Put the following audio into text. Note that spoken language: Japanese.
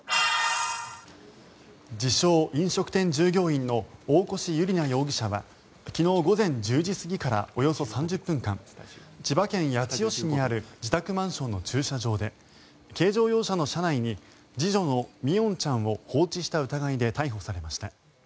自称・飲食店従業員の大越悠莉奈容疑者は昨日午前１０時過ぎからおよそ３０分間千葉県八千代市にある自宅マンションの駐車場で軽乗用車の車内に次女の三櫻音ちゃんを放置した疑いで逮捕されました。